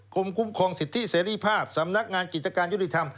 คุ้มครองสิทธิเสรีภาพสำนักงานกิจการยุติธรรม